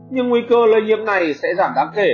nhưng nguy cơ lây nhiễm này sẽ giảm đáng kể